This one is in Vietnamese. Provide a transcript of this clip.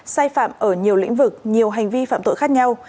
sai phạm ở nhiều lĩnh vực nhiều hành vi phạm tội khác nhau